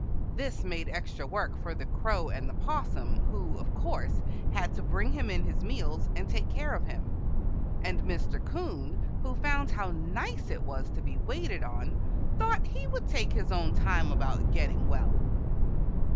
This made extra work for the Crow and the 'Possum, who, of course, had to bring him in his meals and take care of him, and Mr. 'Coon, who found how nice it was to be waited on, thought he would take his own time about getting well.